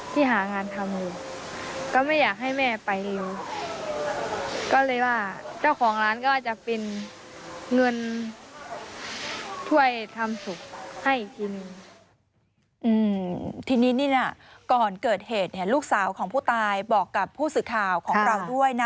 ทีนี้นี่นะก่อนเกิดเหตุเนี่ยลูกสาวของผู้ตายบอกกับผู้สื่อข่าวของเราด้วยนะ